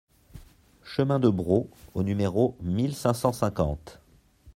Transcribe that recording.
Chemin de Bro au numéro mille cinq cent cinquante